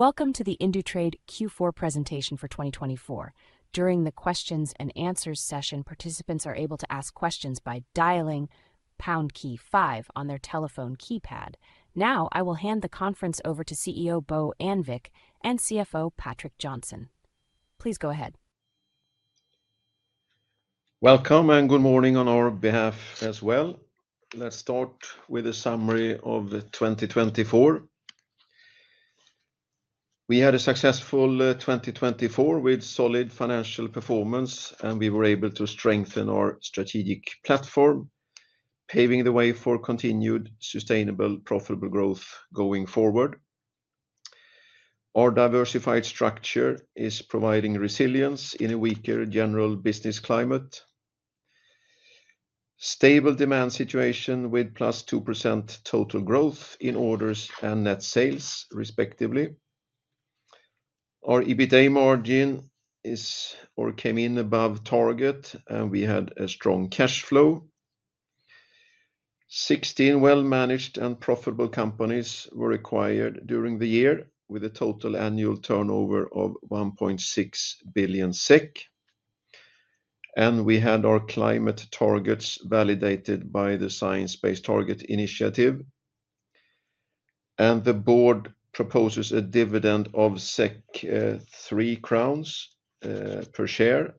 Welcome to the Indutrade Q4 Presentation For 2024. During the Q&A session, participants are able to ask questions by dialing pound key five on their telephone keypad. Now, I will hand the conference over to CEO Bo Annvik and CFO Patrik Johnson. Please go ahead. Welcome, and good morning on our behalf as well. Let's start with a summary of 2024. We had a successful 2024 with solid financial performance, and we were able to strengthen our strategic platform, paving the way for continued sustainable, profitable growth going forward. Our diversified structure is providing resilience in a weaker general business climate. Stable demand situation with +2% total growth in orders and net sales, respectively. Our EBITDA margin came in above target, and we had a strong cash flow. Sixteen well-managed and profitable companies were acquired during the year, with a total annual turnover of 1.6 billion SEK. We had our climate targets validated by the Science Based Targets initiative. The board proposes a dividend of 3 crowns per share,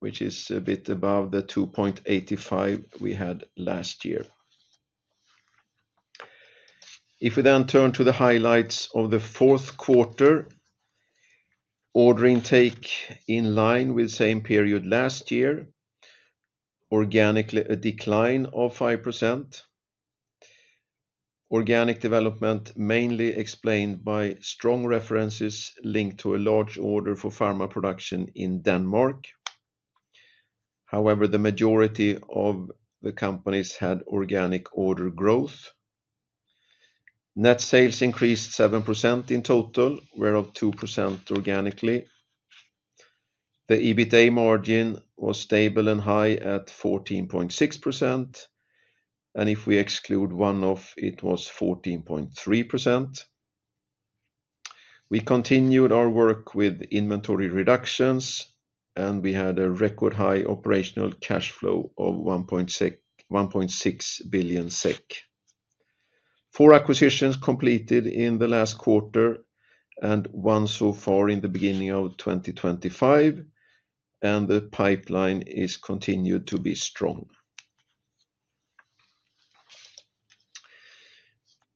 which is a bit above the 2.85 we had last year. If we then turn to the highlights of the fourth quarter, order intake in line with the same period last year, organic decline of 5%. Organic development mainly explained by strong references linked to a large order for pharma production in Denmark. However, the majority of the companies had organic order growth. Net sales increased 7% in total, whereof 2% organically. The EBITDA margin was stable and high at 14.6%, and if we exclude one-off, it was 14.3%. We continued our work with inventory reductions, and we had a record-high operational cash flow of 1.6 billion SEK. Four acquisitions completed in the last quarter and one so far in the beginning of 2025, and the pipeline is continued to be strong.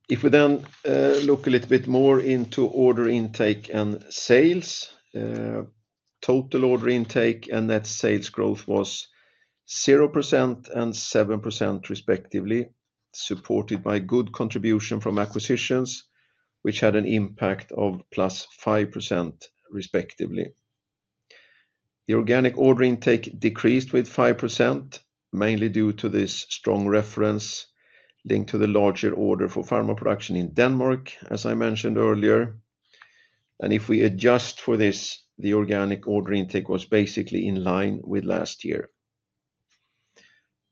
If we then look a little bit more into order intake and sales, total order intake and net sales growth was 0% and 7%, respectively, supported by good contribution from acquisitions, which had an impact of +5%, respectively. The organic order intake decreased with 5%, mainly due to this strong reference linked to the larger order for pharma production in Denmark, as I mentioned earlier. And if we adjust for this, the organic order intake was basically in line with last year.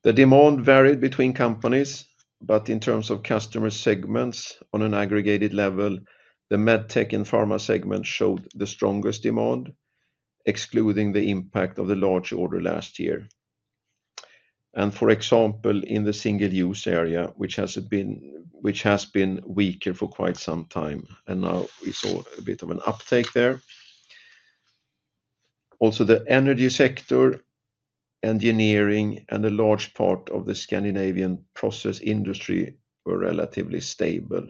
The demand varied between companies, but in terms of customer segments on an aggregated level, the MedTech and Pharma segment showed the strongest demand, excluding the impact of the large order last year. And for example, in the single-use area, which has been weaker for quite some time, and now we saw a bit of an uptake there. Also, the energy sector, engineering, and a large part of the Scandinavian process industry were relatively stable.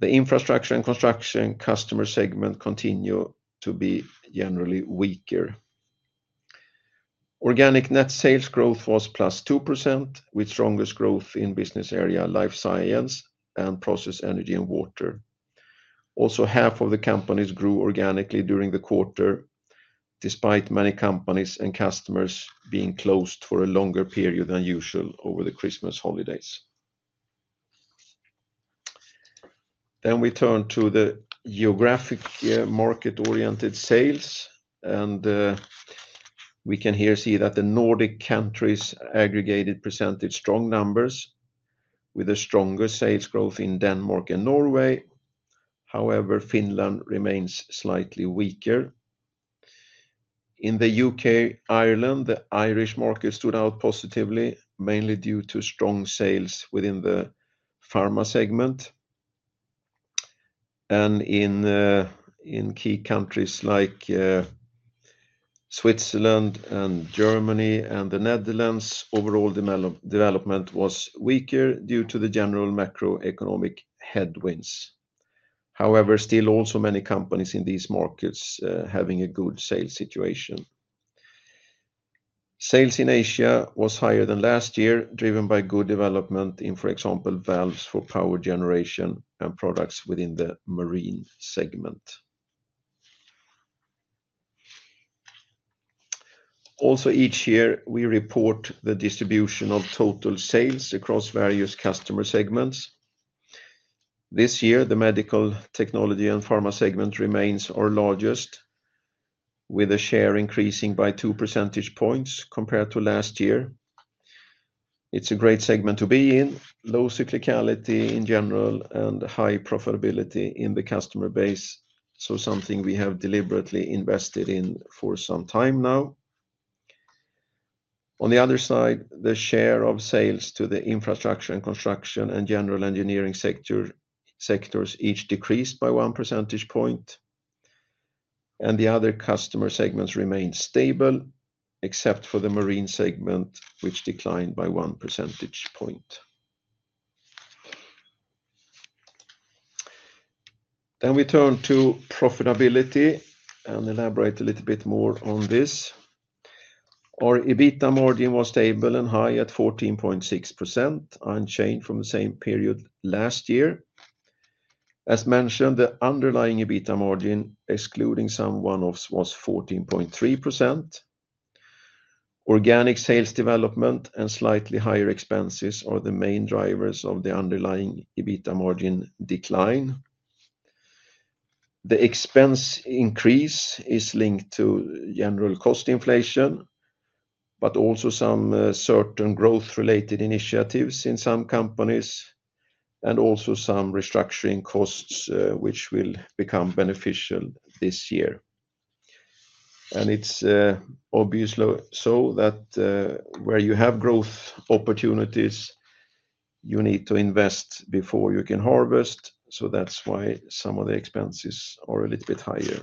The Infrastructure and Construction customer segment continued to be generally weaker. Organic net sales growth was +2%, with strongest growth in business area Life Science and Process Energy and Water. Also, half of the companies grew organically during the quarter, despite many companies and customers being closed for a longer period than usual over the Christmas holidays, then we turn to the geographic market-oriented sales, and we can here see that the Nordic countries aggregated presented strong numbers, with a stronger sales growth in Denmark and Norway. However, Finland remains slightly weaker. In the U.K. and Ireland, the Irish market stood out positively, mainly due to strong sales within the pharma segment, and in key countries like Switzerland, Germany, and the Netherlands, overall development was weaker due to the general macroeconomic headwinds. However, still also many companies in these markets having a good sales situation. Sales in Asia was higher than last year, driven by good development in, for example, valves for power generation and products within the marine segment. Also, each year we report the distribution of total sales across various customer segments. This year, the medical technology and pharma segment remains our largest, with a share increasing by two percentage points compared to last year. It's a great segment to be in, low cyclicality in general, and high profitability in the customer base, so something we have deliberately invested in for some time now. On the other side, the share of sales to the Infrastructure and Construction and general engineering sectors each decreased by one percentage point, and the other customer segments remained stable, except for the marine segment, which declined by one percentage point. Then we turn to profitability and elaborate a little bit more on this. Our EBITDA margin was stable and high at 14.6%, unchanged from the same period last year. As mentioned, the underlying EBITDA margin, excluding some one-offs, was 14.3%. Organic sales development and slightly higher expenses are the main drivers of the underlying EBITDA margin decline. The expense increase is linked to general cost inflation, but also some certain growth-related initiatives in some companies, and also some restructuring costs, which will become beneficial this year. And it's obviously so that where you have growth opportunities, you need to invest before you can harvest, so that's why some of the expenses are a little bit higher.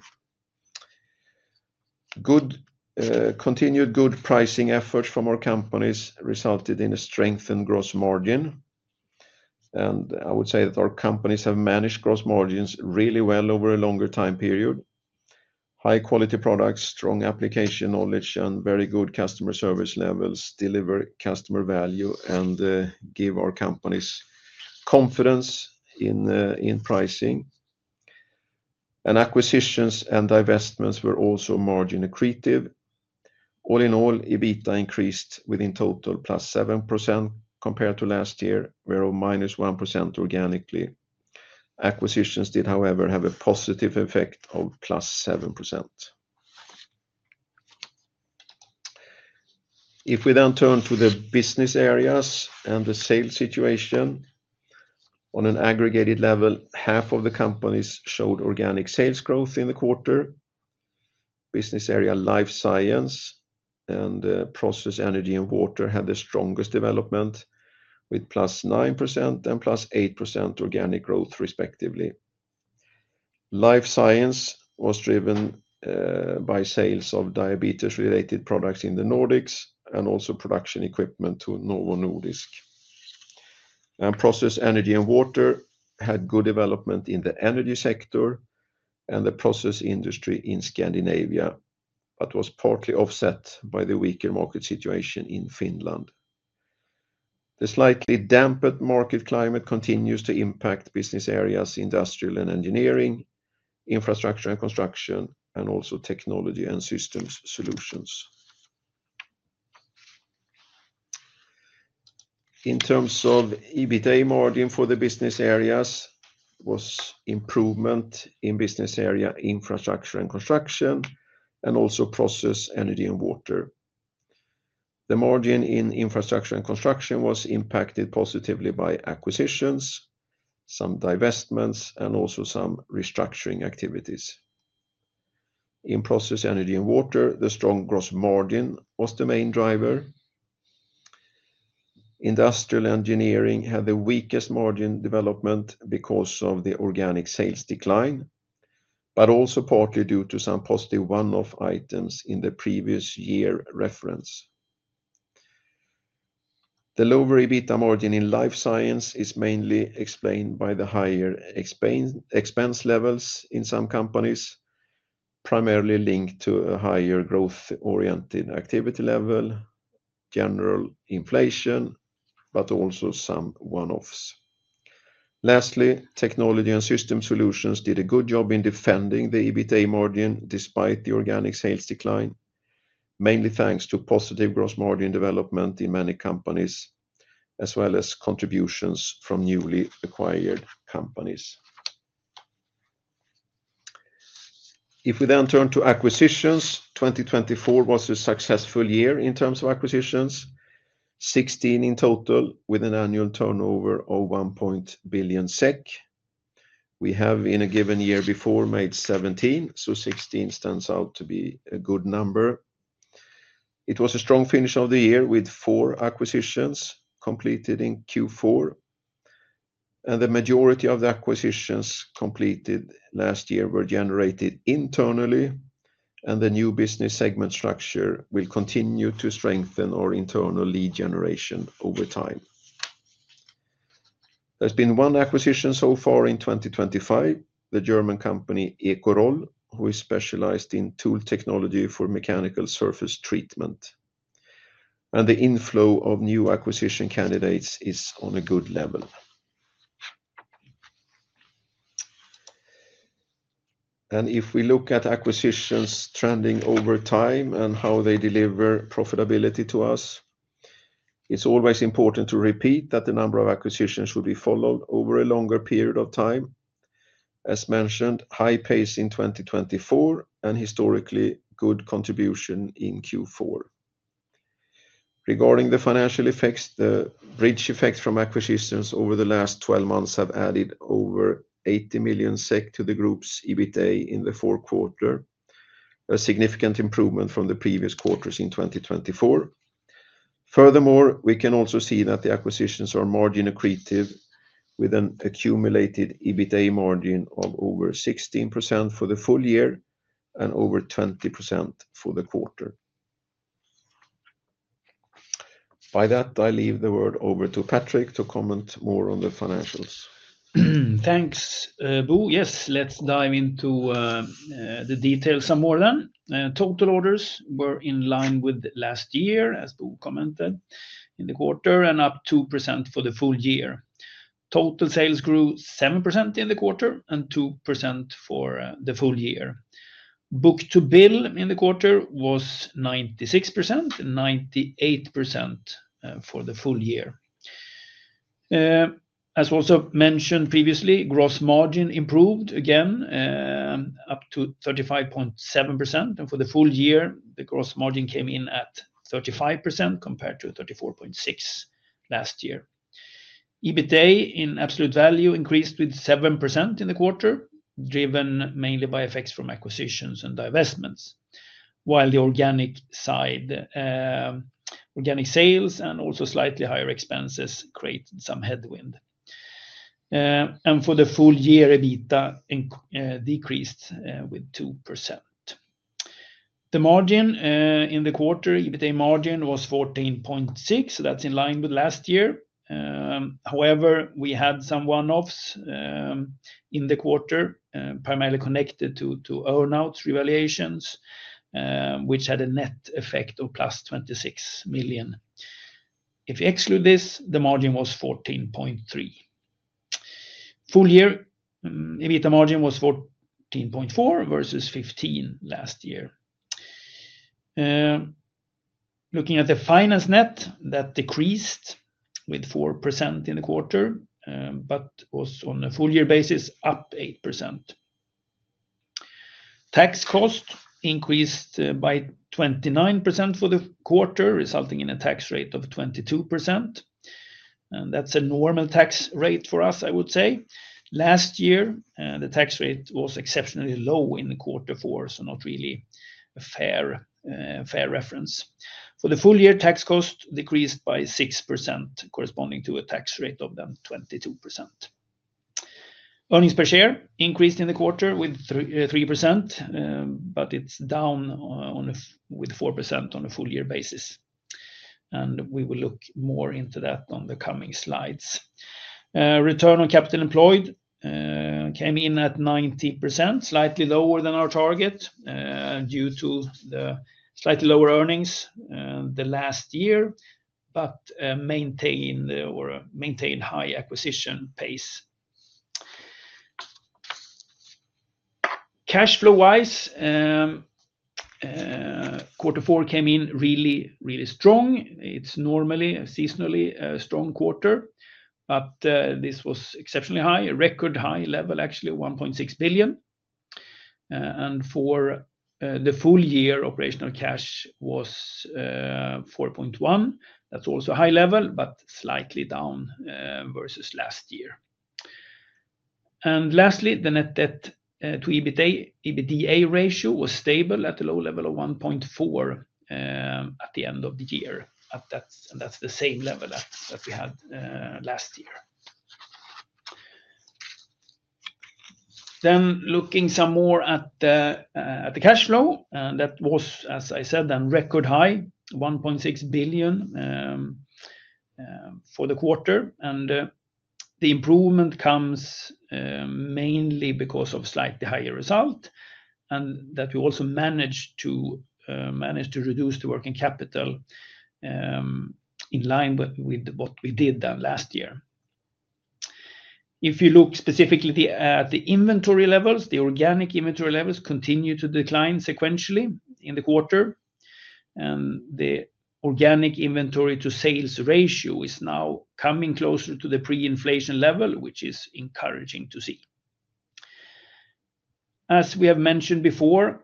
Continued good pricing efforts from our companies resulted in a strengthened gross margin. And I would say that our companies have managed gross margins really well over a longer time period. High-quality products, strong application knowledge, and very good customer service levels deliver customer value and give our companies confidence in pricing, and acquisitions and divestments were also margin accretive. All in all, EBITDA increased within total +7% compared to last year, whereof -1% organically. Acquisitions did, however, have a positive effect of +7%. If we then turn to the business areas and the sales situation, on an aggregated level, half of the companies showed organic sales growth in the quarter. Business area Life Science and Process Energy and Water had the strongest development, with +9% and +8% organic growth, respectively. Life Science was driven by sales of diabetes-related products in the Nordics and also production equipment to Norway and the Nordics. And Process Energy and Water had good development in the energy sector and the process industry in Scandinavia, but was partly offset by the weaker market situation in Finland. The slightly dampened market climate continues to impact business areas, Industrial and Engineering, Infrastructure and Construction, and also Technology and Systems Solutions. In terms of EBITDA margin for the business areas, there was improvement in business area Infrastructure and Construction, and also Process Energy and Water. The margin in Infrastructure and Construction was impacted positively by acquisitions, some divestments, and also some restructuring activities. In Process Energy and Water, the strong gross margin was the main driver. Industrial Engineering had the weakest margin development because of the organic sales decline, but also partly due to some positive one-off items in the previous year reference. The lower EBITDA margin in Life Science is mainly explained by the higher expense levels in some companies, primarily linked to a higher growth-oriented activity level, general inflation, but also some one-offs. Lastly, Technology and System Solutions did a good job in defending the EBITDA margin despite the organic sales decline, mainly thanks to positive gross margin development in many companies, as well as contributions from newly acquired companies. If we then turn to acquisitions, 2024 was a successful year in terms of acquisitions, 16 in total, with an annual turnover of 1.1 billion SEK. We have, in a given year before, made 17, so 16 stands out to be a good number. It was a strong finish of the year with four acquisitions completed in Q4. And the majority of the acquisitions completed last year were generated internally, and the new business segment structure will continue to strengthen our internal lead generation over time. There's been one acquisition so far in 2025, the German company Ecoroll, who is specialized in tool technology for mechanical surface treatment. And the inflow of new acquisition candidates is on a good level. And if we look at acquisitions trending over time and how they deliver profitability to us, it's always important to repeat that the number of acquisitions should be followed over a longer period of time. As mentioned, high pace in 2024 and historically good contribution in Q4. Regarding the financial effects, the bridge effect from acquisitions over the last 12 months have added over 80 million SEK to the group's EBITDA in the fourth quarter, a significant improvement from the previous quarters in 2024. Furthermore, we can also see that the acquisitions are margin accretive, with an accumulated EBITDA margin of over 16% for the full year and over 20% for the quarter. By that, I leave the word over to Patrik to comment more on the financials. Thanks, Bo. Yes, let's dive into the details some more then. Total orders were in line with last year, as Bo commented, in the quarter and up 2% for the full year. Total sales grew 7% in the quarter and 2% for the full year. Book-to-bill in the quarter was 96% and 98% for the full year. As also mentioned previously, gross margin improved again up to 35.7%. And for the full year, the gross margin came in at 35% compared to 34.6% last year. EBITDA in absolute value increased with 7% in the quarter, driven mainly by effects from acquisitions and divestments, while the organic sales and also slightly higher expenses created some headwind. And for the full year, EBITDA decreased with 2%. The margin in the quarter, EBITDA margin was 14.6%, so that's in line with last year. However, we had some one-offs in the quarter, primarily connected to earn-out revaluations, which had a net effect of +26 million. If we exclude this, the margin was 14.3%. Full year, EBITDA margin was 14.4% versus 15% last year. Looking at the finance net, that decreased with 4% in the quarter, but was on a full year basis up 8%. Tax cost increased by 29% for the quarter, resulting in a tax rate of 22%. And that's a normal tax rate for us, I would say. Last year, the tax rate was exceptionally low in the quarter four, so not really a fair reference. For the full year, tax cost decreased by 6%, corresponding to a tax rate of then 22%. Earnings per share increased in the quarter with 3%, but it's down with 4% on a full year basis. We will look more into that on the coming slides. Return on Capital Employed came in at 90%, slightly lower than our target due to the slightly lower earnings the last year, but maintained high acquisition pace. Cash flow-wise, quarter four came in really, really strong. It's normally a seasonally strong quarter, but this was exceptionally high, a record high level, actually 1.6 billion. For the full year, operational cash was 4.1 billion. That's also a high level, but slightly down versus last year. Lastly, the net debt-to-EBITDA ratio was stable at a low level of 1.4 at the end of the year. That's the same level that we had last year. Looking some more at the cash flow, and that was, as I said, a record high, 1.6 billion for the quarter. The improvement comes mainly because of a slightly higher result and that we also managed to reduce the working capital in line with what we did then last year. If you look specifically at the inventory levels, the organic inventory levels continue to decline sequentially in the quarter. The organic inventory to sales ratio is now coming closer to the pre-inflation level, which is encouraging to see. As we have mentioned before,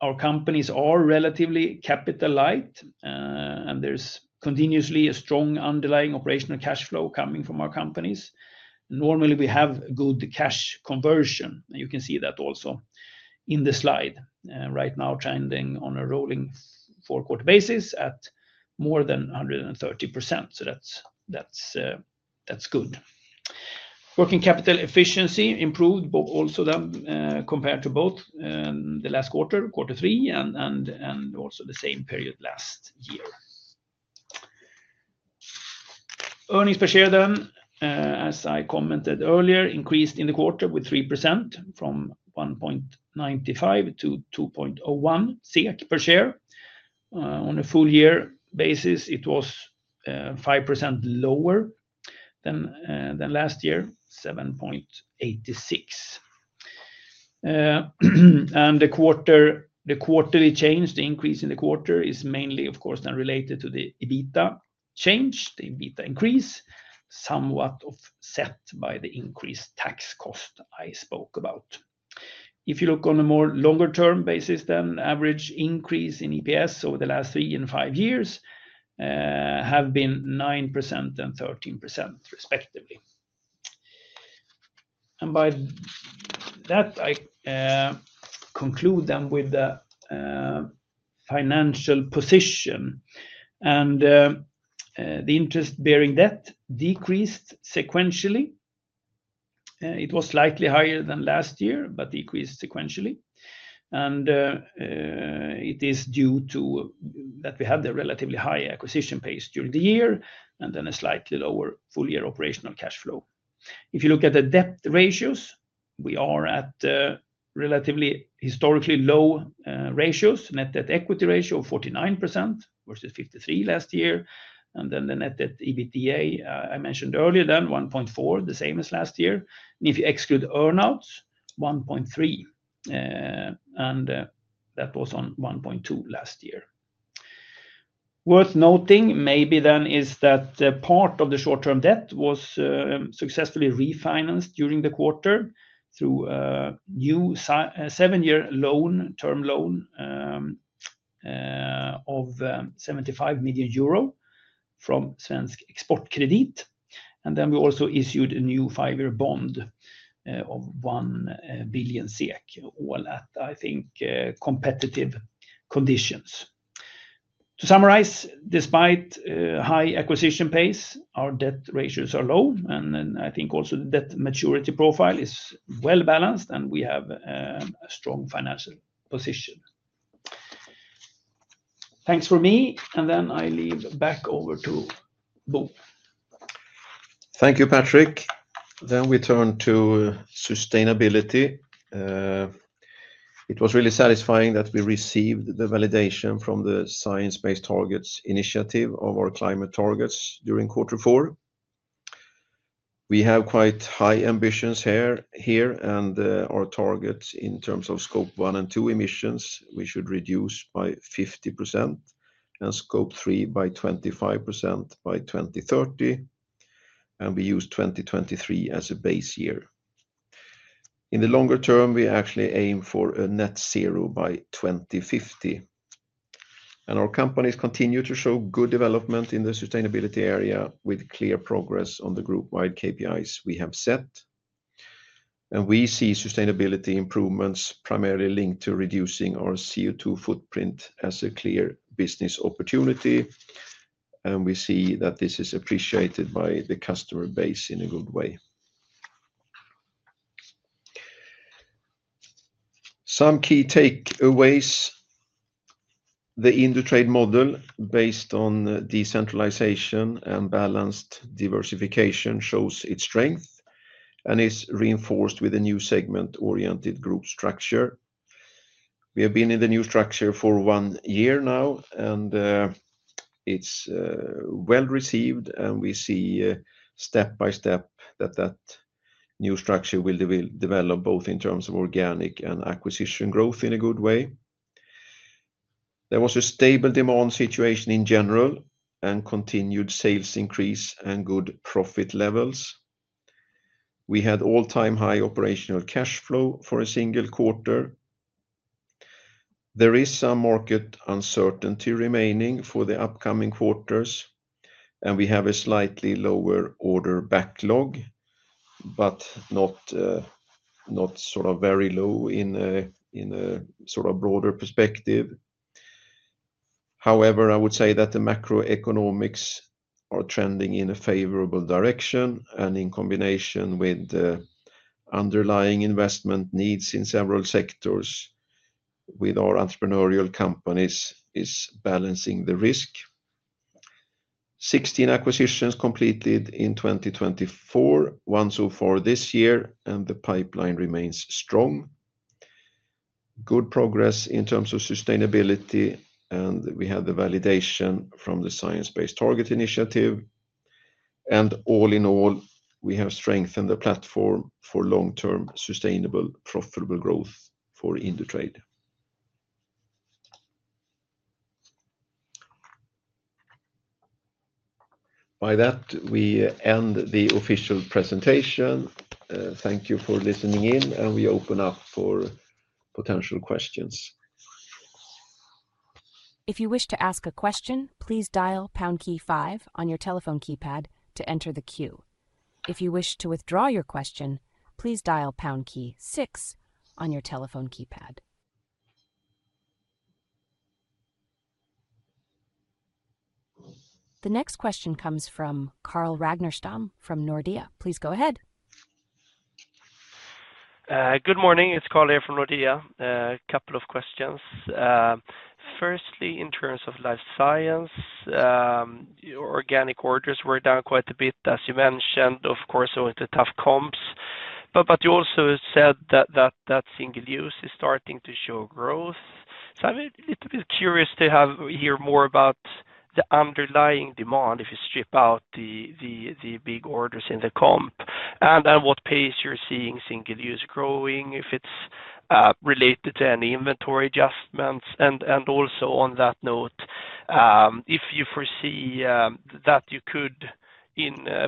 our companies are relatively capital-light, and there's continuously a strong underlying operational cash flow coming from our companies. Normally, we have good cash conversion, and you can see that also in the slide. Right now, trending on a rolling four-quarter basis at more than 130%, so that's good. Working capital efficiency improved also then compared to both the last quarter, quarter three, and also the same period last year. Earnings per share then, as I commented earlier, increased in the quarter with 3% from 1.95 to 2.01 SEK per share. On a full year basis, it was 5% lower than last year, 7.86. The quarterly change, the increase in the quarter is mainly, of course, then related to the EBITDA change, the EBITDA increase, somewhat offset by the increased tax cost I spoke about. If you look on a more longer-term basis, then average increase in EPS over the last three and five years have been 9% and 13%, respectively. By that, I conclude then with the financial position. The interest-bearing debt decreased sequentially. It was slightly higher than last year, but decreased sequentially. It is due to that we had a relatively high acquisition pace during the year and then a slightly lower full-year operational cash flow. If you look at the debt ratios, we are at relatively historically low ratios, net debt equity ratio of 49% versus 53% last year. And then the net debt EBITDA I mentioned earlier then, 1.4%, the same as last year. And if you exclude earn-outs, 1.3%. And that was on 1.2% last year. Worth noting maybe then is that part of the short-term debt was successfully refinanced during the quarter through a new seven-year term loan of 75 million euro from Svensk Exportkredit. And then we also issued a new five-year bond of 1 billion SEK, all at, I think, competitive conditions. To summarize, despite high acquisition pace, our debt ratios are low, and I think also the debt maturity profile is well balanced, and we have a strong financial position. Thanks from me, and then I hand it back over to Bo. Thank you, Patrik. Then we turn to sustainability. It was really satisfying that we received the validation from the Science Based Targets Initiative of our climate targets during quarter four. We have quite high ambitions here, and our targets in terms of Scope 1 and 2 emissions, we should reduce by 50% and Scope 3 by 25% by 2030, and we use 2023 as a base year. In the longer term, we actually aim for a net zero by 2050, and our companies continue to show good development in the sustainability area with clear progress on the group-wide KPIs we have set, and we see sustainability improvements primarily linked to reducing our CO2 footprint as a clear business opportunity, and we see that this is appreciated by the customer base in a good way. Some key takeaways. The Indutrade model based on decentralization and balanced diversification shows its strength and is reinforced with a new segment-oriented group structure. We have been in the new structure for one year now, and it's well received, and we see step by step that that new structure will develop both in terms of organic and acquisition growth in a good way. There was a stable demand situation in general and continued sales increase and good profit levels. We had all-time high operational cash flow for a single quarter. There is some market uncertainty remaining for the upcoming quarters, and we have a slightly lower order backlog, but not sort of very low in a sort of broader perspective. However, I would say that the macroeconomics are trending in a favorable direction, and in combination with the underlying investment needs in several sectors with our entrepreneurial companies, is balancing the risk. 16 acquisitions completed in 2024, one so far this year, and the pipeline remains strong. Good progress in terms of sustainability, and we have the validation from the Science Based Targets initiative, and all in all, we have strengthened the platform for long-term sustainable profitable growth for Indutrade. By that, we end the official presentation. Thank you for listening in, and we open up for potential questions. If you wish to ask a question, please dial pound key five on your telephone keypad to enter the queue. If you wish to withdraw your question, please dial pound key six on your telephone keypad. The next question comes from Carl Ragnerstam from Nordea. Please go ahead. Good morning. It's Carl here from Nordea. A couple of questions. Firstly, in terms of Life Science, organic orders were down quite a bit, as you mentioned. Of course, there were the tough comps. But you also said that single use is starting to show growth. So I'm a little bit curious to hear more about the underlying demand if you strip out the big orders in the comp and at what pace you're seeing single use growing, if it's related to any inventory adjustments. And also on that note, if you foresee that you could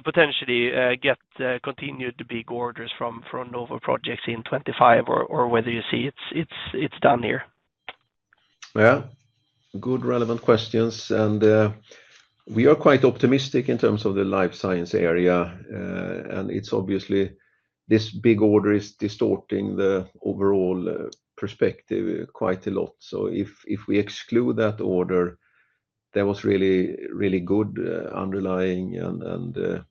potentially get continued big orders from Novo Nordisk in 2025, or whether you see it's done here. Yeah, good relevant questions. And we are quite optimistic in terms of the Life Science area. And it's obviously this big order is distorting the overall perspective quite a lot. So if we exclude that order, there was really good underlying and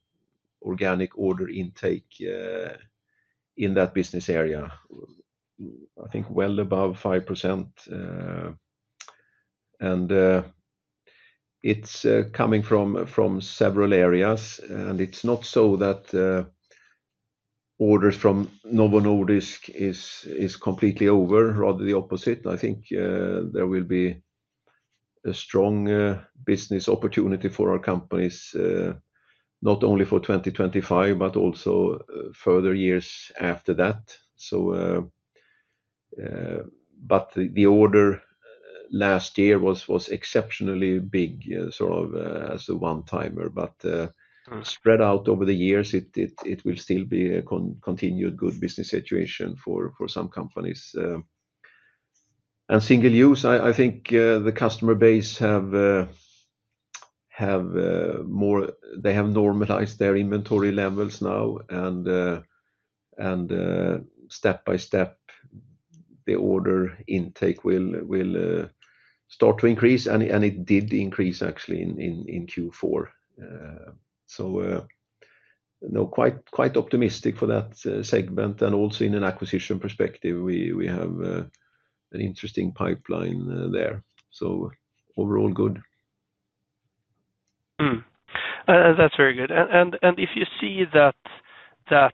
organic order intake in that business area, I think well above 5%. It's coming from several areas, and it's not so that orders from Novo Nordisk is completely over, rather the opposite. I think there will be a strong business opportunity for our companies, not only for 2025, but also further years after that. But the order last year was exceptionally big, sort of as a one-timer, but spread out over the years, it will still be a continued good business situation for some companies. And single use, I think the customer base have more; they have normalized their inventory levels now, and step by step, the order intake will start to increase, and it did increase actually in Q4. So quite optimistic for that segment. And also in an acquisition perspective, we have an interesting pipeline there. So overall, good. That's very good. And if you see that the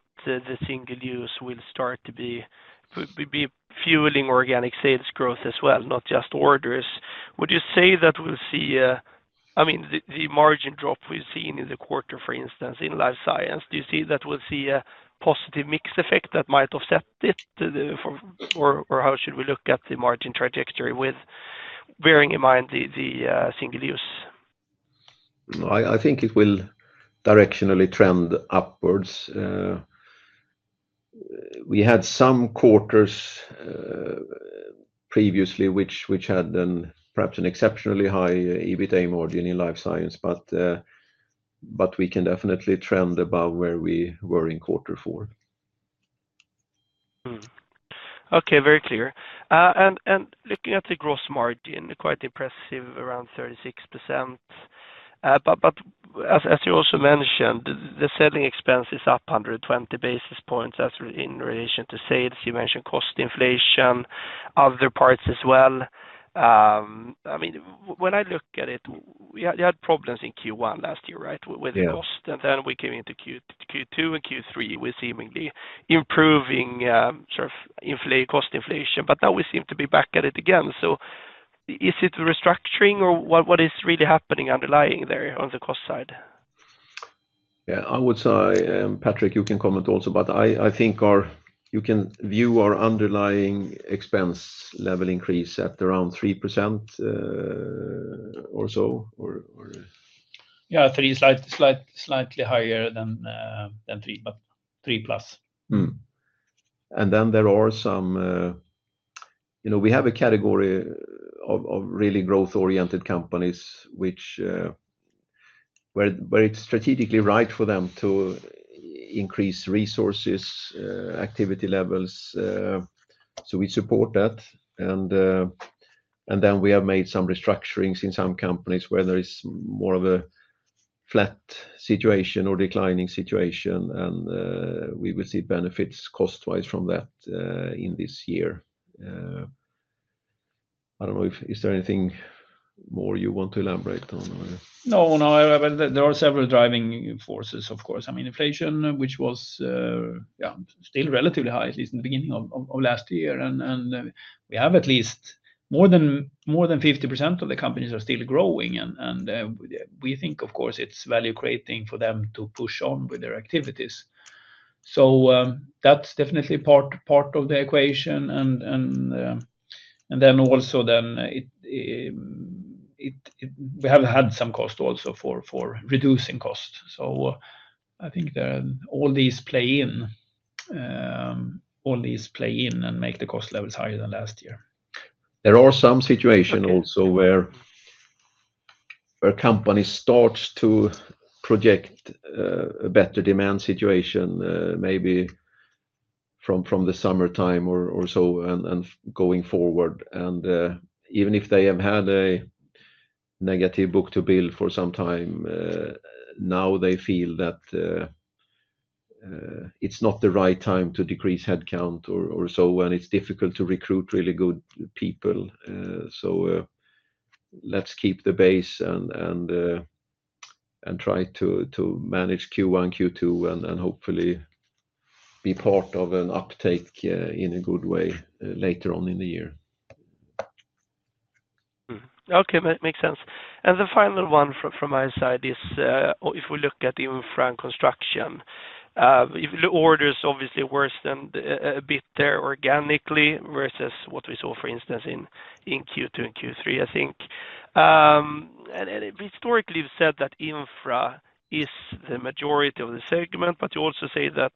single use will start to be fueling organic sales growth as well, not just orders, would you say that we'll see a, I mean, the margin drop we've seen in the quarter, for instance, in Life Science, do you see that we'll see a positive mix effect that might offset it? Or how should we look at the margin trajectory with bearing in mind the single use? I think it will directionally trend upwards. We had some quarters previously which had perhaps an exceptionally high EBITDA margin in Life Science, but we can definitely trend above where we were in quarter four. Okay, very clear. And looking at the gross margin, quite impressive, around 36%. But as you also mentioned, the selling expense is up 120 basis points in relation to sales. You mentioned cost inflation, other parts as well. I mean, when I look at it, you had problems in Q1 last year, right, with cost. And then we came into Q2 and Q3 with seemingly improving sort of cost inflation. But now we seem to be back at it again. So is it restructuring, or what is really happening underlying there on the cost side? Yeah, I would say, Patrik, you can comment also, but I think you can view our underlying expense level increase at around 3% or so. Yeah, 3% is slightly higher than 3%, but 3% plus. And then there are some we have a category of really growth-oriented companies where it's strategically right for them to increase resources, activity levels. So we support that. And then we have made some restructurings in some companies where there is more of a flat situation or declining situation, and we will see benefits cost-wise from that in this year. I don't know, is there anything more you want to elaborate on? No, no. There are several driving forces, of course. I mean, inflation, which was still relatively high, at least in the beginning of last year. And we have at least more than 50% of the companies are still growing. And we think, of course, it's value-creating for them to push on with their activities. So that's definitely part of the equation. And then also then we have had some cost also for reducing costs. So I think all these play in, all these play in and make the cost levels higher than last year. There are some situations also where companies start to project a better demand situation maybe from the summertime or so and going forward. And even if they have had a negative book-to-bill for some time, now they feel that it's not the right time to decrease headcount or so, and it's difficult to recruit really good people. So let's keep the base and try to manage Q1, Q2, and hopefully be part of an uptake in a good way later on in the year. Okay, that makes sense. And the final one from my side is if we look at Infra and Construction, orders obviously worsened a bit there organically versus what we saw, for instance, in Q2 and Q3, I think. And historically, you've said that Infra is the majority of the segment, but you also say that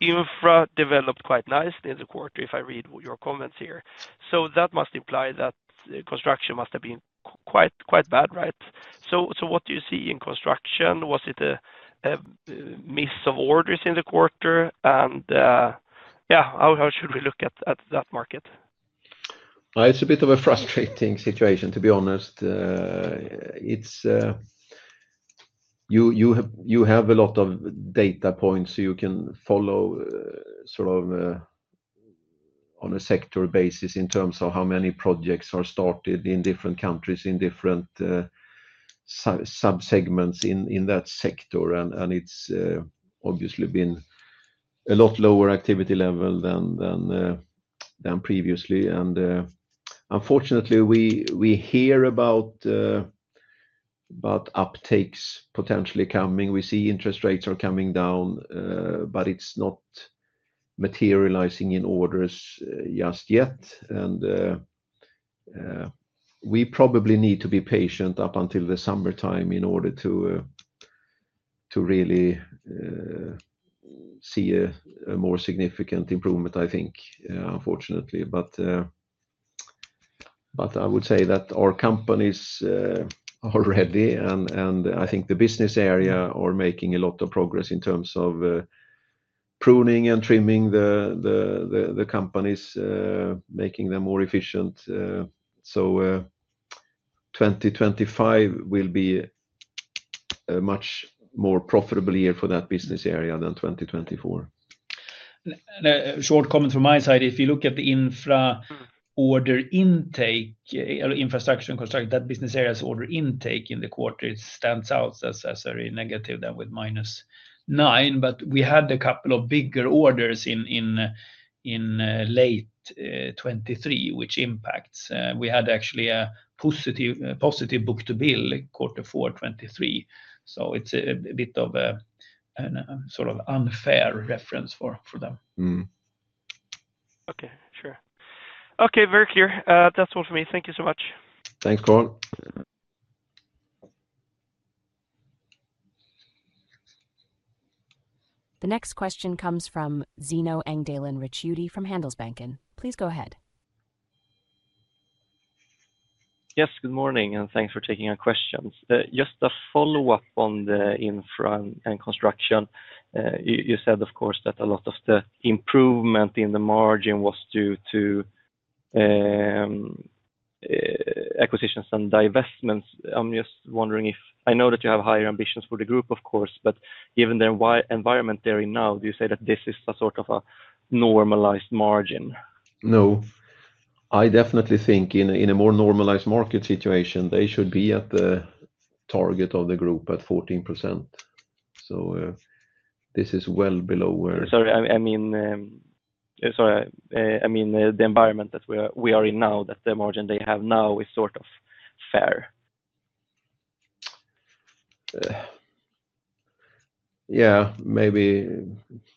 Infra developed quite nicely in the quarter if I read your comments here. So that must imply that construction must have been quite bad, right? So what do you see in construction? Was it a miss of orders in the quarter? And yeah, how should we look at that market? It's a bit of a frustrating situation, to be honest. You have a lot of data points you can follow sort of on a sector basis in terms of how many projects are started in different countries, in different subsegments in that sector. And it's obviously been a lot lower activity level than previously. And unfortunately, we hear about uptakes potentially coming. We see interest rates are coming down, but it's not materializing in orders just yet. We probably need to be patient up until the summertime in order to really see a more significant improvement, I think, unfortunately. But I would say that our companies are ready, and I think the business area are making a lot of progress in terms of pruning and trimming the companies, making them more efficient. So 2025 will be a much more profitable year for that business area than 2024. Short comment from my side, if you look at the Infra order intake, or Infrastructure and Construction, that business area's order intake in the quarter stands out as a very negative then with minus nine. But we had a couple of bigger orders in late 2023, which impacts. We had actually a positive book-to-bill quarter four 2023. So it's a bit of a sort of unfair reference for them. Okay, sure. Okay, very clear. That's all for me. Thank you so much. Thanks, Carl. The next question comes from Zino Engdalen Ricciuti from Handelsbanken. Please go ahead. Yes, good morning, and thanks for taking our questions. Just a follow-up on the Infra and Construction. You said, of course, that a lot of the improvement in the margin was due to acquisitions and divestments. I'm just wondering if I know that you have higher ambitions for the group, of course, but given the environment there now, do you say that this is a sort of a normalized margin? No. I definitely think in a more normalized market situation, they should be at the target of the group at 14%. So this is well below where. Sorry, I mean, sorry, I mean the environment that we are in now, that the margin they have now is sort of fair. Yeah, maybe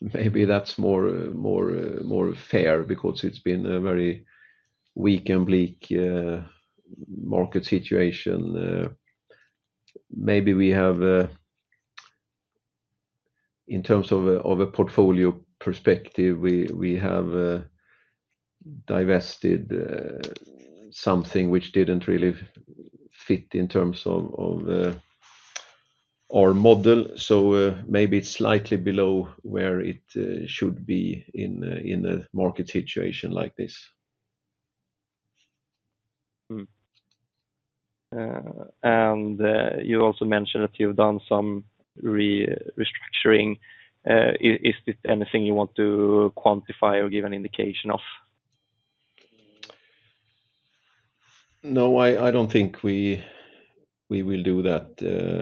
that's more fair because it's been a very weak and bleak market situation. Maybe we have, in terms of a portfolio perspective, we have divested something which didn't really fit in terms of our model. So maybe it's slightly below where it should be in a market situation like this. And you also mentioned that you've done some restructuring. Is it anything you want to quantify or give an indication of? No, I don't think we will do that.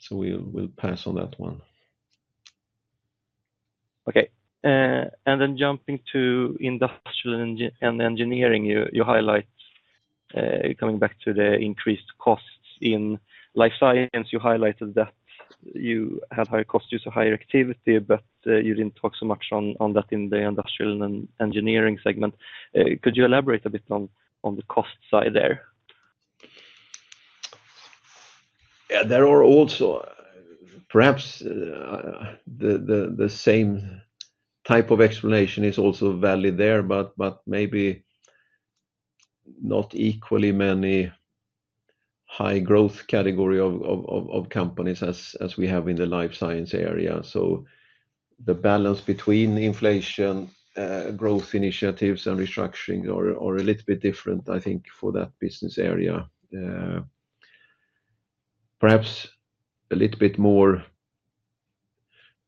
So we'll pass on that one. Okay. And then jumping to Industrial and Engineering, you highlight coming back to the increased costs in Life Science. You highlighted that you had higher costs, you saw higher activity, but you didn't talk so much on that in the Industrial and Engineering segment. Could you elaborate a bit on the cost side there? Yeah, there are also perhaps the same type of explanation is also valid there, but maybe not equally many high-growth category of companies as we have in the Life Science area. So the balance between inflation, growth initiatives, and restructuring are a little bit different, I think, for that business area. Perhaps a little bit more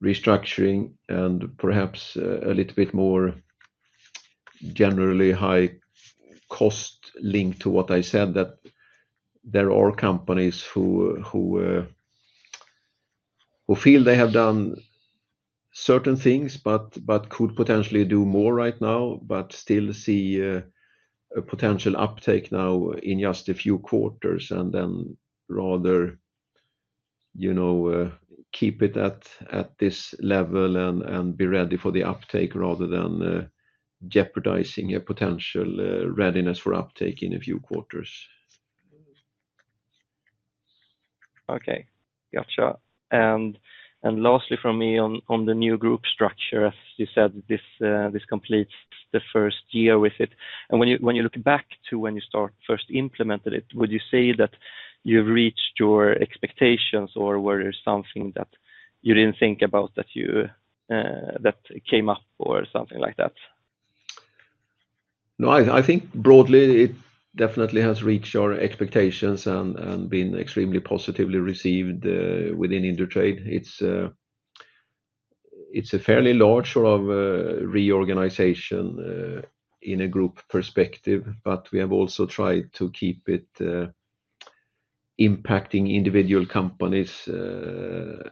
restructuring and perhaps a little bit more generally high cost linked to what I said, that there are companies who feel they have done certain things but could potentially do more right now, but still see a potential uptake now in just a few quarters and then rather keep it at this level and be ready for the uptake rather than jeopardizing a potential readiness for uptake in a few quarters. Okay. Gotcha. Lastly from me on the new group structure, as you said, this completes the first year with it. When you look back to when you first implemented it, would you say that you've reached your expectations or were there something that you didn't think about that came up or something like that? No, I think broadly it definitely has reached our expectations and been extremely positively received within Indutrade. It's a fairly large sort of reorganization in a group perspective, but we have also tried to keep it impacting individual companies to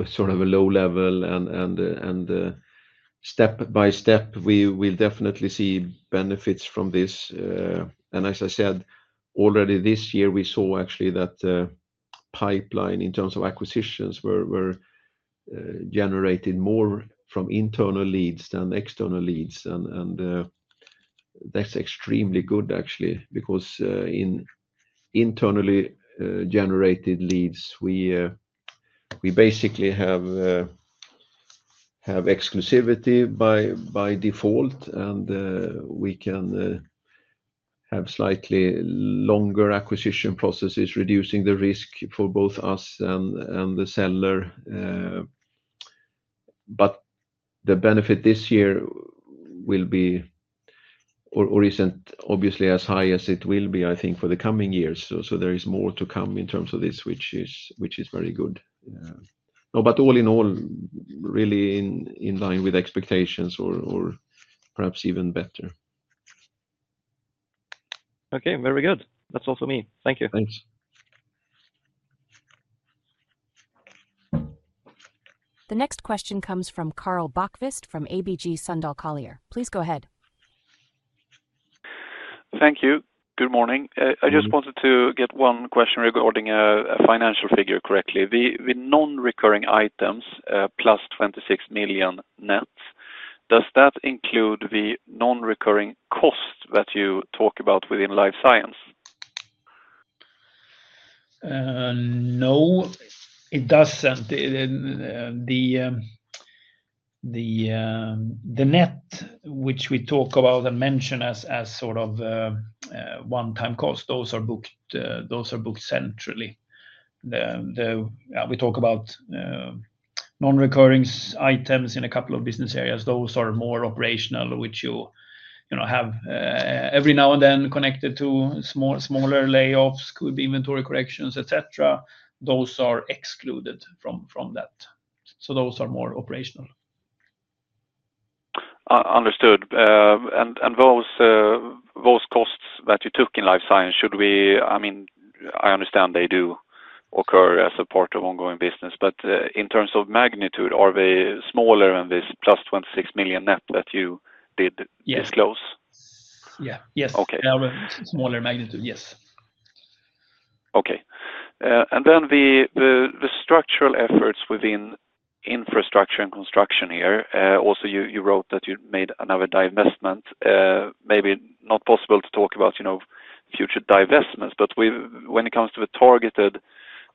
a sort of a low level. Step by step, we will definitely see benefits from this. As I said, already this year, we saw actually that pipeline in terms of acquisitions were generated more from internal leads than external leads. That's extremely good, actually, because in internally generated leads, we basically have exclusivity by default, and we can have slightly longer acquisition processes, reducing the risk for both us and the seller. But the benefit this year will be or isn't obviously as high as it will be, I think, for the coming years. So there is more to come in terms of this, which is very good. But all in all, really in line with expectations or perhaps even better. Okay, very good. That's all for me. Thank you. Thanks. The next question comes from Karl Bokvist from ABG Sundal Collier. Please go ahead. Thank you. Good morning. I just wanted to get one question regarding a financial figure correctly. The non-recurring items +26 million net, does that include the non-recurring cost that you talk about within Life Science? No, it doesn't. The net which we talk about and mention as sort of one-time cost, those are booked centrally. We talk about non-recurring items in a couple of business areas. Those are more operational, which you have every now and then connected to smaller layoffs, could be inventory corrections, etc. Those are excluded from that. So those are more operational. Understood, and those costs that you took in Life Science, should we? I mean, I understand they do occur as a part of ongoing business. But in terms of magnitude, are they smaller than this +26 million net that you did disclose? Yeah. Yes. Smaller magnitude, yes. Okay, and then the structural efforts within Infrastructure and Construction here, also you wrote that you made another divestment. Maybe not possible to talk about future divestments, but when it comes to the targeted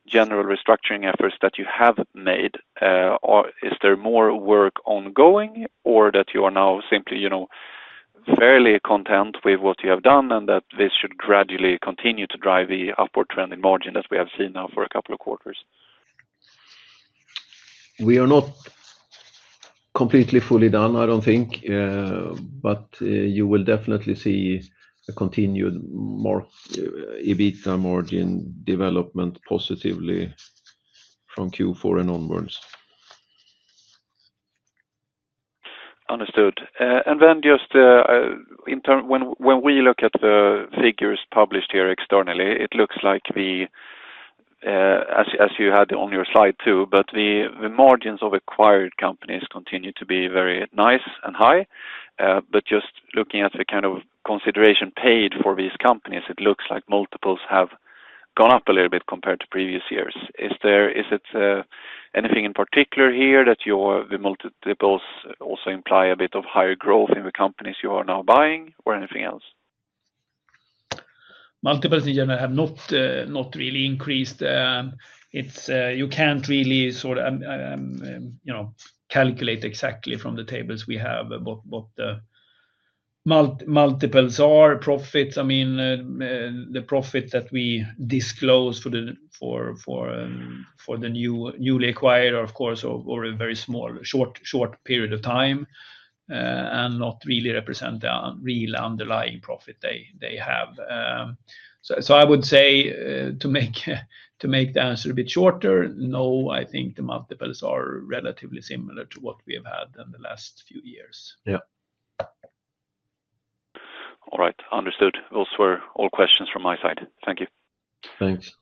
general restructuring efforts that you have made, is there more work ongoing or that you are now simply fairly content with what you have done and that this should gradually continue to drive the upward trend in margin that we have seen now for a couple of quarters? We are not completely done, I don't think. But you will definitely see a continued EBITDA margin development positively from Q4 and onwards. Understood. And then just when we look at the figures published here externally, it looks like as you had on your slide too, but the margins of acquired companies continue to be very nice and high. But just looking at the kind of consideration paid for these companies, it looks like multiples have gone up a little bit compared to previous years. Is it anything in particular here that the multiples also imply a bit of higher growth in the companies you are now buying or anything else? Multiples in general have not really increased. You can't really sort of calculate exactly from the tables we have what the multiples are. Profits, I mean, the profits that we disclose for the newly acquired, of course, over a very short period of time and not really represent the real underlying profit they have. So I would say to make the answer a bit shorter, no, I think the multiples are relatively similar to what we have had in the last few years. Yeah. All right. Understood. Those were all questions from my side. Thank you. Thanks.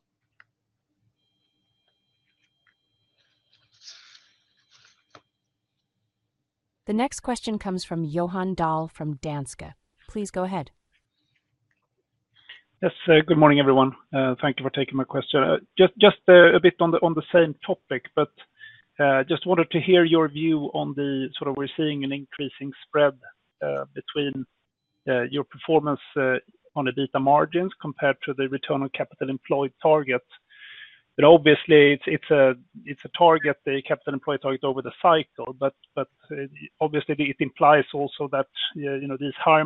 The next question comes from Johan Dahl from Danske Bank. Please go ahead. Yes, good morning, everyone. Thank you for taking my question. Just a bit on the same topic, but just wanted to hear your view on the sort of we're seeing an increasing spread between your performance on EBITDA margins compared to the return on capital employed target. But obviously, it's a target, the capital employed target over the cycle. But obviously, it implies also that these high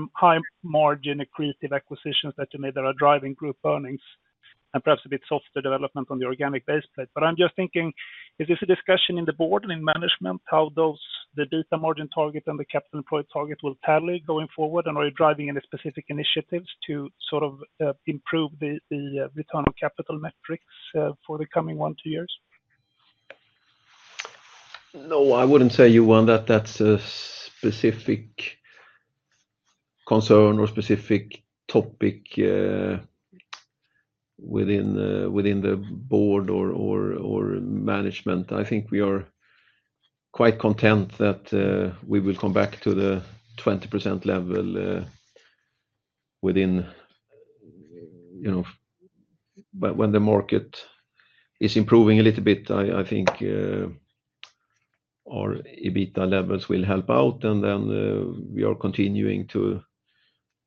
margin accretive acquisitions that you made that are driving group earnings and perhaps a bit softer development on the organic base plate. But I'm just thinking, is this a discussion in the board and in management, how the EBITDA margin target and the capital employed target will tally going forward? And are you driving any specific initiatives to sort of improve the return on capital metrics for the coming one or two years? No, I wouldn't say, Johan, that that's a specific concern or specific topic within the board or management. I think we are quite content that we will come back to the 20% level within when the market is improving a little bit. I think our EBITDA levels will help out. And then we are continuing to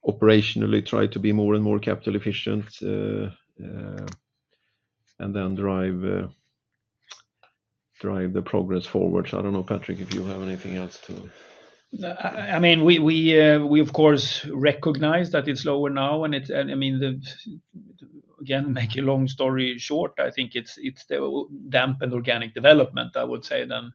operationally try to be more and more capital efficient and then drive the progress forward. So I don't know, Patrick, if you have anything else to. I mean, we, of course, recognize that it's lower now. And I mean, again, making a long story short, I think it's the dampened organic development, I would say, than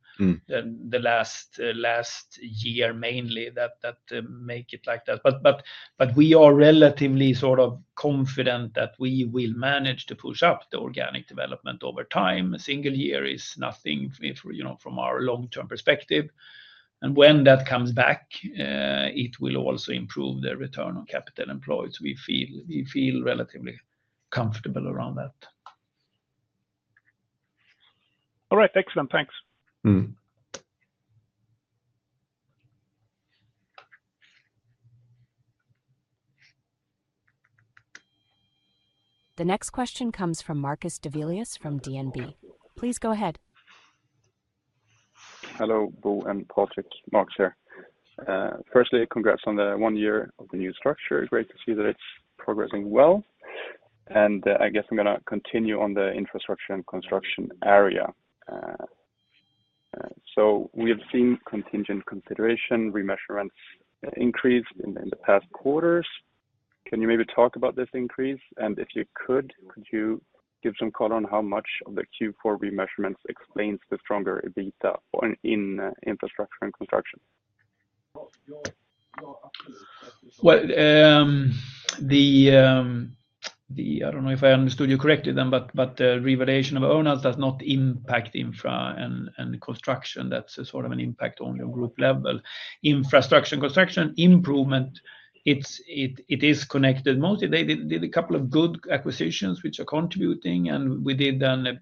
the last year mainly that make it like that. But we are relatively sort of confident that we will manage to push up the organic development over time. A single year is nothing from our long-term perspective. And when that comes back, it will also improve the return on capital employed. So we feel relatively comfortable around that. All right. Excellent. Thanks. The next question comes from Marcus Davelius from DNB. Please go ahead. Hello, Bo and Patrik. Mark's here. Firstly, congrats on the one year of the new structure. Great to see that it's progressing well. And I guess I'm going to continue on the Infrastructure and Construction area. So we have seen contingent consideration remeasurements increase in the past quarters. Can you maybe talk about this increase? And if you could, could you give some color on how much of the Q4 remeasurements explains the stronger EBITDA in Infrastructure and Construction? Well, I don't know if I understood you correctly, but the revaluation of owners does not impact infra and construction. That's sort of an impact only on group level. Infrastructure and Construction improvement, it is connected. Mostly, they did a couple of good acquisitions which are contributing. We did a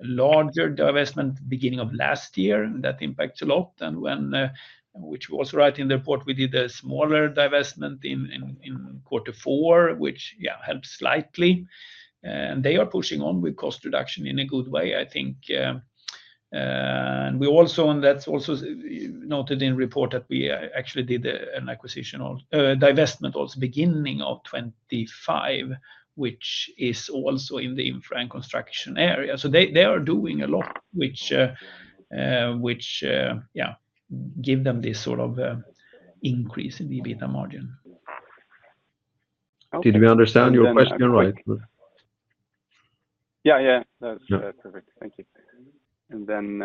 larger divestment beginning of last year that impacts a lot. And which we also write in the report, we did a smaller divestment in quarter four, which helped slightly. And they are pushing on with cost reduction in a good way, I think. And that's also noted in the report that we actually did an acquisition divestment also beginning of 2025, which is also in the infra and construction area. So they are doing a lot which give them this sort of increase in the EBITDA margin. Did we understand your question right? Yeah, yeah. That's perfect. Thank you. And then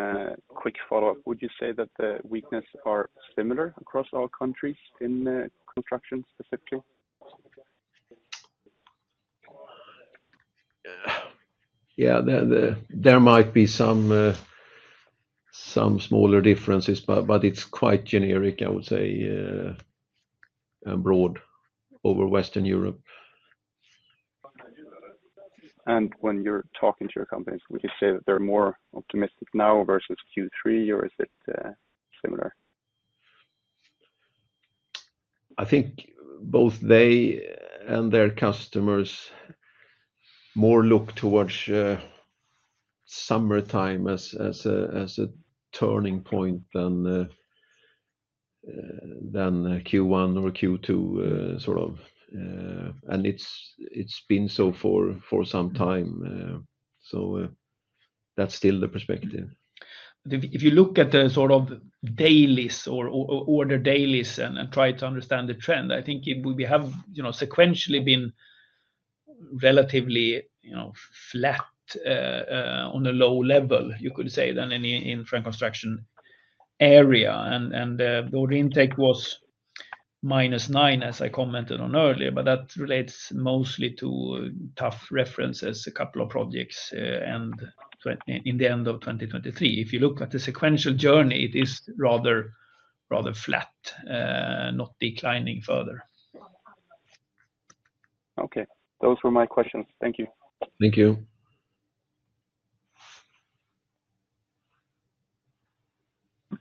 quick follow-up. Would you say that the weaknesses are similar across all countries in construction specifically? Yeah, there might be some smaller differences, but it's quite generic, I would say, broad over Western Europe. When you're talking to your companies, would you say that they're more optimistic now versus Q3, or is it similar? I think both they and their customers more look towards summertime as a turning point than Q1 or Q2 sort of. It's been so for some time. So that's still the perspective. If you look at the sort of dailies or order dailies and try to understand the trend, I think we have sequentially been relatively flat on a low level, you could say, than in infra and construction area. The order intake was -9%, as I commented on earlier. That relates mostly to tough references, a couple of projects, and in the end of 2023. If you look at the sequential journey, it is rather flat, not declining further. Okay. Those were my questions. Thank you. Thank you.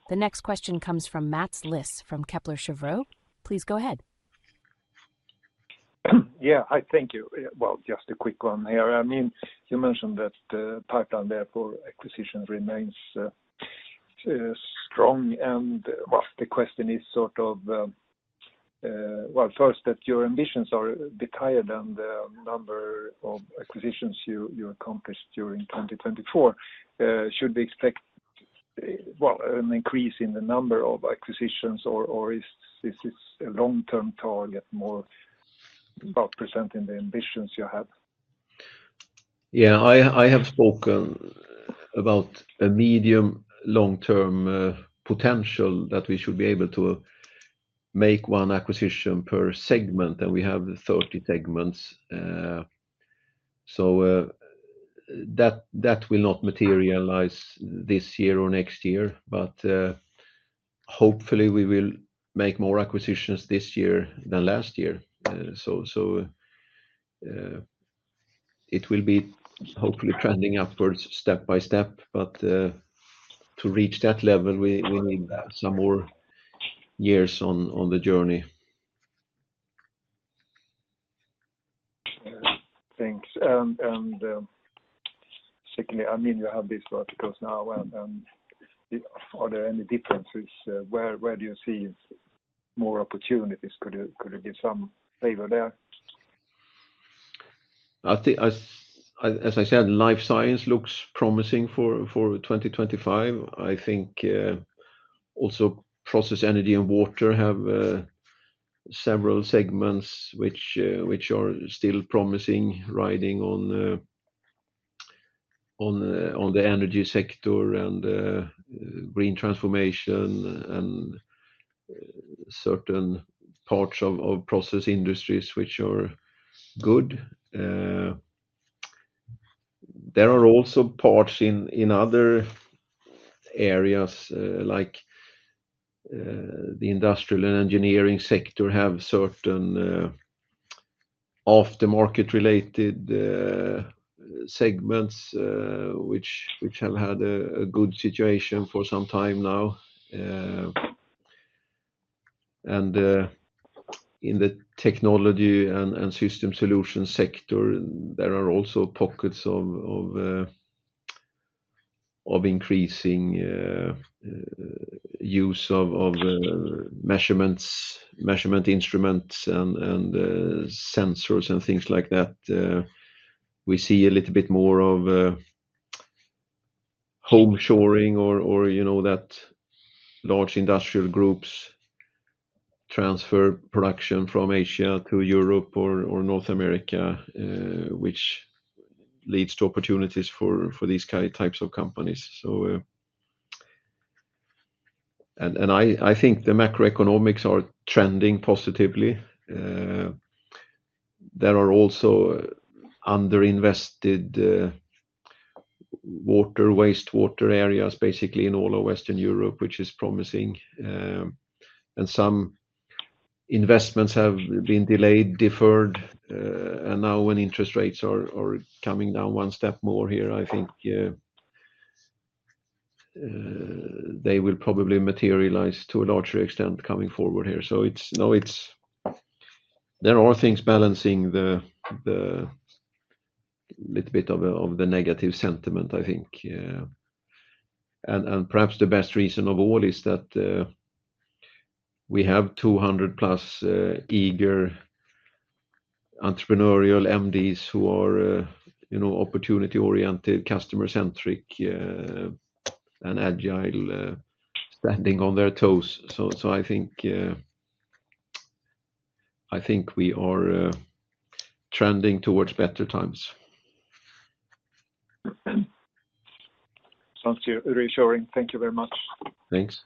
The next question comes from Mats Liss from Kepler Cheuvreux. Please go ahead. Yeah. Hi, thank you. Well, just a quick one here. I mean, you mentioned that the pipeline there for acquisitions remains strong. And what the question is sort of, well, first, that your ambitions are reiterated and the number of acquisitions you accomplished during 2024, should we expect, well, an increase in the number of acquisitions, or is this a long-term target, more about presenting the ambitions you have? Yeah, I have spoken about a medium-long-term potential that we should be able to make one acquisition per segment, and we have 30 segments. So that will not materialize this year or next year, but hopefully, we will make more acquisitions this year than last year. So it will be hopefully trending upwards step by step. But to reach that level, we need some more years on the journey. Thanks. And secondly, I mean, you have these verticals now, and are there any differences? Where do you see more opportunities? Could it be some favor there? As I said, Life Science looks promising for 2025. I think also Process, Energy and Water have several segments which are still promising, riding on the energy sector and green transformation and certain parts of process industries which are good. There are also parts in other areas like the Industrial and Engineering sector have certain aftermarket-related segments which have had a good situation for some time now. And in the Technology and System Solution sector, there are also pockets of increasing use of measurement instruments and sensors and things like that. We see a little bit more of home shoring or that large industrial groups transfer production from Asia to Europe or North America, which leads to opportunities for these types of companies. And I think the macroeconomics are trending positively. There are also underinvested water wastewater areas basically in all of Western Europe, which is promising. And some investments have been delayed, deferred, and now when interest rates are coming down one step more here, I think they will probably materialize to a larger extent coming forward here. So there are things balancing the little bit of the negative sentiment, I think. And perhaps the best reason of all is that we have 200+ eager entrepreneurial MDs who are opportunity-oriented, customer-centric, and agile, standing on their toes. So I think we are trending towards better times. Sounds reassuring. Thank you very much. Thanks.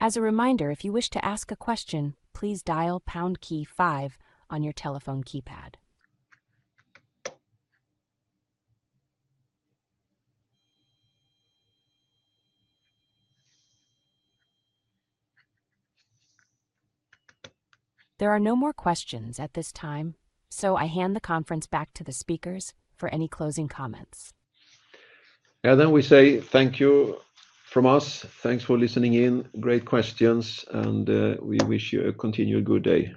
As a reminder, if you wish to ask a question, please dial pound key five on your telephone keypad. There are no more questions at this time, so I hand the conference back to the speakers for any closing comments. And then we say thank you from us. Thanks for listening in. Great questions. And we wish you a continued good day.